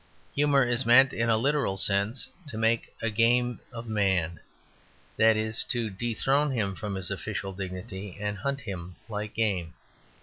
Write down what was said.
Humour is meant, in a literal sense, to make game of man; that is, to dethrone him from his official dignity and hunt him like game.